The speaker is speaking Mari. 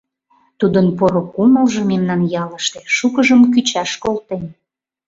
Тудын поро кумылжо мемнан ялыште шукыжым кӱчаш колтен.